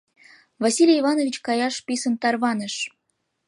Василий Иванович каяш писын тарваныш.